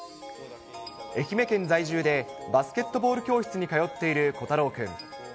愛媛県在住でバスケットボール教室に通っている虎太郎君。